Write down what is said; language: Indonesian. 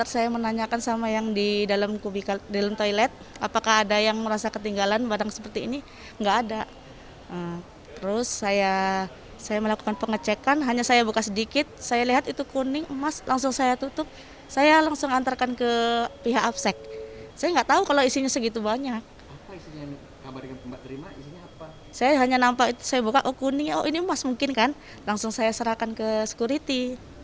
saya hanya nampak itu saya buka oh kuning oh ini emas mungkin kan langsung saya serahkan ke sekuriti